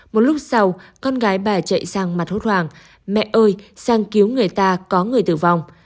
một lúc sau con gái bà chạy sang mặt hốt hoảng mẹ ơi sang cứu người ta có người tử vong